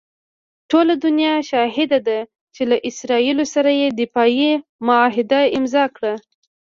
ټوله دنیا شاهده ده چې له اسراییلو سره یې دفاعي معاهده امضاء کړه.